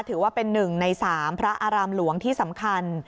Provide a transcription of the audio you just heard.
ถือว่าเป็น๑ใน๓พระอารามหลวงที่สำคัญ